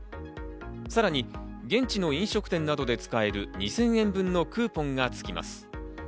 さらに現地の飲食店などで使える２０００円分のクーポンがつきます。